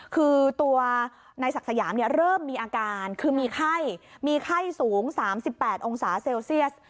คือตัวนายศักดิ์สยามเริ่มมีอาการคือมีไข้มีไข้สูง๓๘องศาเซลเซียส